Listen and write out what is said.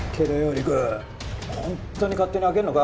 陸ホントに勝手に開けんのか？